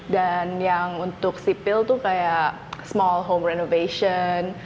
dan yang untuk sipil tuh kayak small home renovation